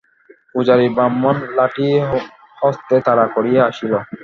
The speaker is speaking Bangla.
পূজারি ব্রাহ্মণ লাঠি হস্তে তাড়া করিয়া আসিল।